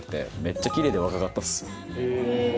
めっちゃキレイで若かったっす。